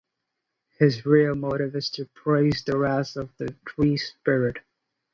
His real motive is to appease the wrath of the tree-spirit.